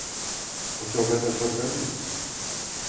Усё гэтак жа дрэнна?